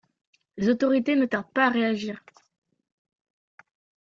Les autorités ne tardent pas à réagir.